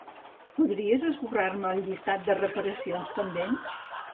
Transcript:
Podries esborrar-me el llistat de reparacions pendents?